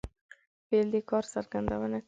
فعل د کار څرګندونه کوي.